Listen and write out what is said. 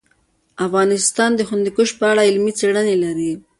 افغانستان د هندوکش په اړه علمي څېړنې لري.